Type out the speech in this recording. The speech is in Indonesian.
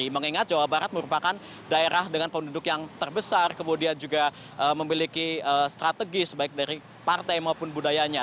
mengingat jawa barat merupakan daerah dengan penduduk yang terbesar kemudian juga memiliki strategi sebaik dari partai maupun budayanya